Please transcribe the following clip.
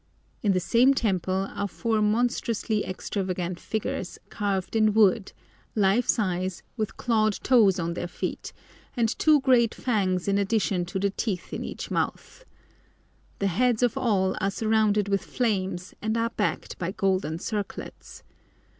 In the same temple are four monstrously extravagant figures carved in wood, life size, with clawed toes on their feet, and two great fangs in addition to the teeth in each mouth. The heads of all are surrounded with flames, and are backed by golden circlets.